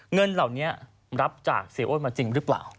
เงินเหล่านี้รับจากเสียอ้วนมาจริงหรือเปล่า